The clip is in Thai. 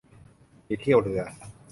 มีเที่ยวเรือ